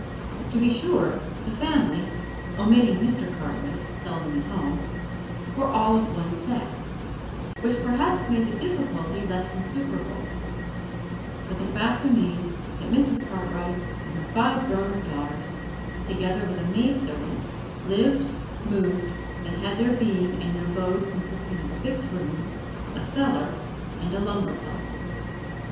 To be sure, the family omitting Mr. Cartwright, seldom at home were all of one sex, which perhaps made the difficulty less insuperable; but the fact remained that Mrs. Cartwright and her five grown up daughters, together with a maid servant, lived, moved, and had their being in an abode consisting of six rooms, a cellar, and a lumber closet.